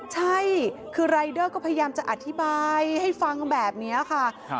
ใช่คือรายเดอร์ก็พยายามจะอธิบายให้ฟังแบบนี้ค่ะ